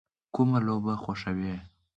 کومه لوبه خوښوئ؟